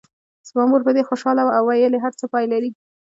زما مور په دې خوشاله وه او ویل یې هر څه پای لري.